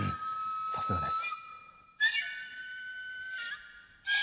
さすがです。